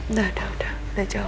udah udah udah jauh